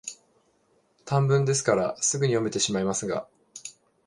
短文ですから、すぐに読めてしまいますが、